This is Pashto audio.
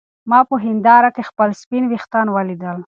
ما په هېنداره کې خپل سپین ويښتان ولیدل.